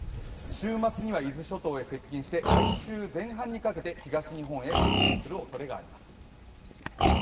週末には伊豆諸島に接近して来週前半にかけて東日本へ接近するおそれがあります。